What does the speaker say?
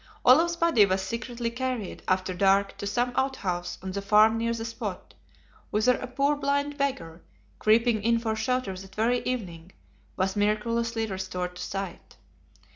Olaf's body was secretly carried, after dark, to some out house on the farm near the spot; whither a poor blind beggar, creeping in for shelter that very evening, was miraculously restored to sight.